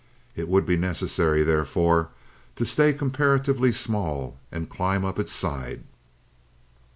It would be necessary, therefore, to stay comparatively small and climb up its side.